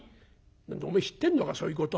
「何だおめえ知ってんのかそういうこと。